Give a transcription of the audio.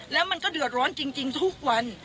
แล้วมันก็เดือดร้อนจริงทุกวัน